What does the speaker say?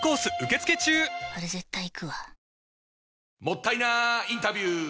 もったいなインタビュー！